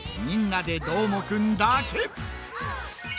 「みんなＤＥどーもくん！」だけ！